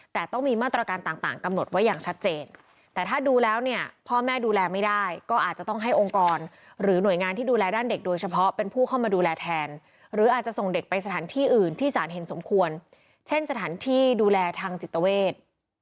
แต่ต้องมีมาตรการต่างกำหนดไว้อย่างชัดเจนแต่ถ้าดูแล้วเนี่ยพ่อแม่ดูแลไม่ได้ก็อาจจะต้องให้องค์กรหรือหน่วยงานที่ดูแลด้านเด็กโดยเฉพาะเป็นผู้เข้ามาดูแลแทนหรืออาจจะส่งเด็กไปสถานที่อื่นที่สารเห็นสมควรเช่นสถานที่ดูแลทางจิตเวท